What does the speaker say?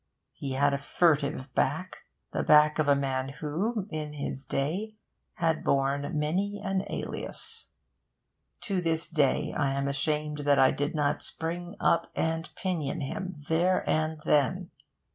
He had a furtive back the back of a man who, in his day, had borne many an alias. To this day I am ashamed that I did not spring up and pinion him, there and then.